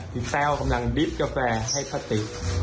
พี่แต้วกำลังริฟท์กาแฟให้พะติ